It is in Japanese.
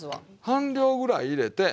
半量ぐらい入れてね